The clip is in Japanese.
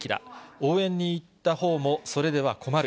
応援に行ったほうもそれでは困る。